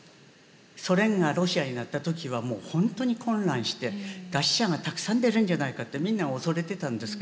ソ連がロシアになった時はもうほんとに混乱して「餓死者がたくさん出るんじゃないか」ってみんな恐れてたんですけれどもそれが出なかった。